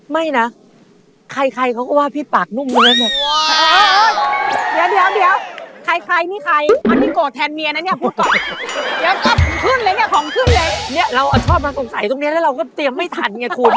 ไม่นะใครเขาก็ว่าพี่ปากนุ่มเงิน